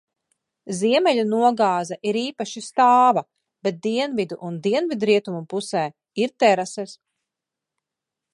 Ziemeļu nogāze ir īpaši stāva, bet dienvidu un dienvidrietumu pusē ir terases.